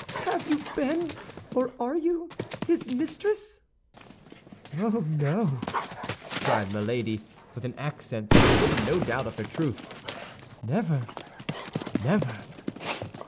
"Have you been, or are you, his mistress?" "Oh, no!" cried Milady, with an accent that admitted no doubt of her truth. "Never, never!"